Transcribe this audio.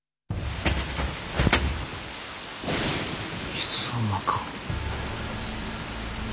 貴様か。